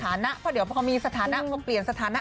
เพราะเดี๋ยวพอมีสถานะพอเปลี่ยนสถานะ